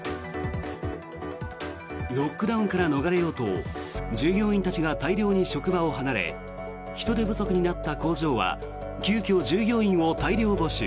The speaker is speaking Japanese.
ロックダウンから逃れようと従業員たちが大量に職場を離れ人手不足になった工場は急きょ従業員を大量募集。